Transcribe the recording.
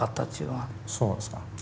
そうなんですか。